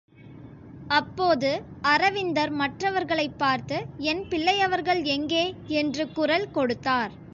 அப்போது அரவிந்தர் மற்றவர்களைப் பார்த்து, என் பிள்ளையவர்கள் எங்கே? என்று குரல் கொடுத்தார்!